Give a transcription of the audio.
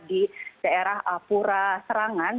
di daerah pura serangan